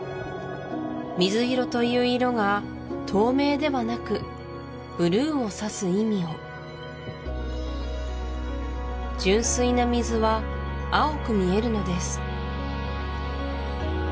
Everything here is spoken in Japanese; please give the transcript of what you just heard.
水色という色が透明ではなくブルーを指す意味を純粋な水は青く見えるのです